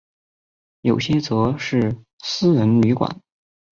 有些则是私人旅馆。